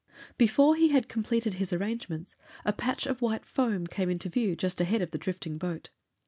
Before he had completed his arrangements, a patch of white foam came into view just ahead of the drifting boat.